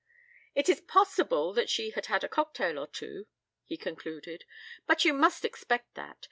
"It is possible that she had had a cocktail or two," he concluded. "But you must expect that.